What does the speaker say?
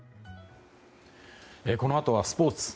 このあとはスポーツ。